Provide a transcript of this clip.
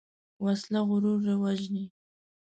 وسله غرور وژني